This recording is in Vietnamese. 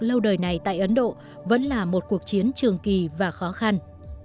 lâu đời này tại ấn độ vẫn là một cuộc chiến trường kỳ và khó khăn